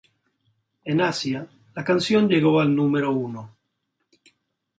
En Asia, la canción llegó al número uno.